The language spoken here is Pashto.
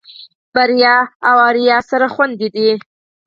بريا او آريا سره خويندې دي.